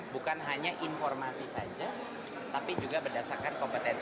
bukan hanya informasi saja tapi juga berdasarkan kompetensi